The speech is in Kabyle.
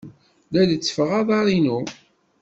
La lettfeɣ aḍar-inu.